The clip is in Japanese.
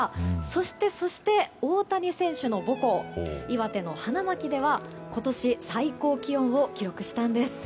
そしてそして、大谷選手の母校岩手・花巻では今年最高気温を記録したんです。